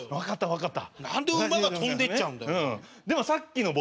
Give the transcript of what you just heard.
分かった。